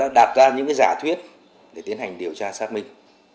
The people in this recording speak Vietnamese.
từ nhận định như thế chúng tôi đã đặt ra những giả thuyết để tiến hành điều tra xác minh